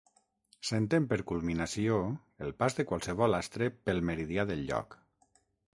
S'entén per culminació el pas de qualsevol astre pel meridià del lloc.